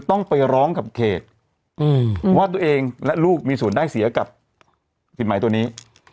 ต้องไปร้องกับเขตว่าตัวเองและลูกมีส่วนได้เสียกับผิดหมายตัวนี้